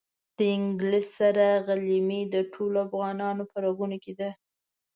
د انګلیس سره غلیمي د ټولو افغانانو په رګونو کې ده.